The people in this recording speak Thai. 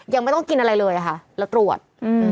ยังไม่ต้องกินอะไรเลยค่ะแล้วตรวจ